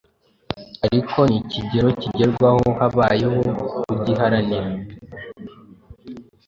ariko ni ikigero kigerwaho habayeho kugiharanira